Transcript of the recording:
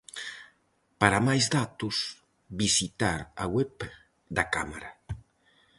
Para máis datos, visitar a web da Cámara.